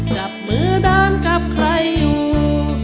จับมือเดินจับใครอยู่